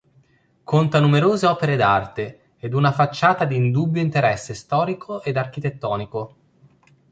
Conta numerose opere d'arte ed una facciata di indubbio interesse storico ed architettonico.